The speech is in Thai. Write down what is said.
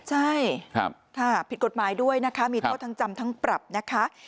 ใช่ค่ะผิดกฎหมายด้วยนะคะมีโทษทั้งจำทั้งปรับนะคะ